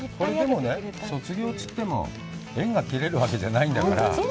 でもね、卒業っていっても、縁が切れるわけじゃないんだから。